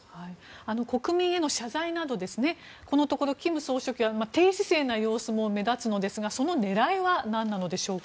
国民への謝罪などこのところ金総書記は低姿勢な様子も目立つのですがその狙いは何でしょうか？